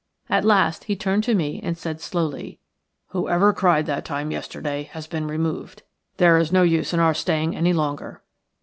At last he turned to me and said, slowly:– "Whoever cried that time yesterday has been removed. There is no use in our staying any longer."